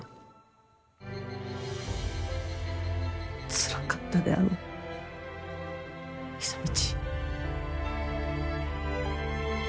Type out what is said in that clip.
つらかったであろう、久通。